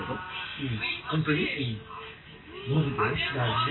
うん。